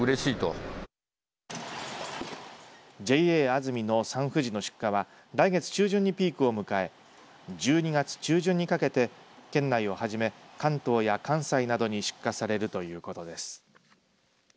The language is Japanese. ＪＡあづみのサンふじの出荷は来月中旬にピークを迎え１２月中旬にかけて県内をはじめ関東や関西などに出荷されるということです。